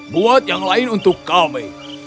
buat yang lain untuk kami